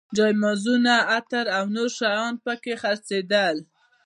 جاینمازونه، عطر او نور شیان په کې خرڅېدل.